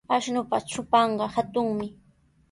Ashnupa trupanqa hatunmi.